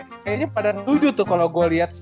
kayaknya pada tujuh tuh kalau gue liat